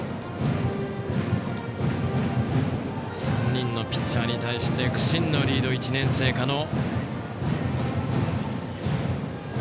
３人のピッチャーに対して苦心のリード、１年生の加納。